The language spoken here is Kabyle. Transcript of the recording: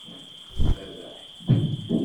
Tmerreḥ.